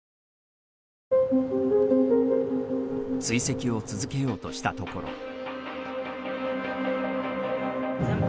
追跡を続けようとしたところ。